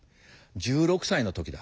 １６歳の時だ。